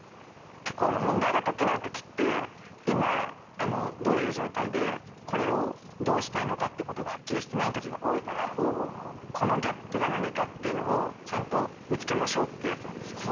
結構問題が解けない時って今どういう状態でこれをどうしたいのかっていうことがはっきりしていない時が多いからこのギャップが何かっていうのをちゃんと見つけましょうってやつなんですよね。